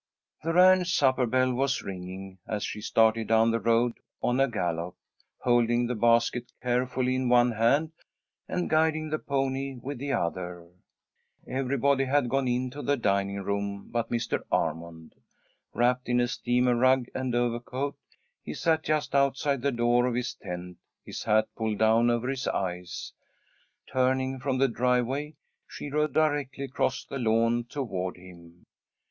The ranch supper bell was ringing as she started down the road on a gallop, holding the basket carefully in one hand, and guiding the pony with the other. Everybody had gone in to the dining room but Mr. Armond. Wrapped in a steamer rug and overcoat, he sat just outside the door of his tent, his hat pulled down over his eyes. Turning from the driveway she rode directly across the lawn toward him.